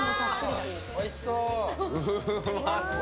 おいしそう！